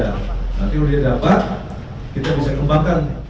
nanti kalau dia dapat kita bisa kembangkan